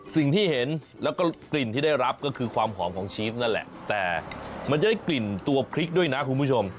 สิ่งที่เห็นแล้วก็กลิ่นที่ได้รับก็คือความหอมของชีสนั่นแหละแต่มันจะได้กลิ่นตัวพริกด้วยนะคุณผู้ชม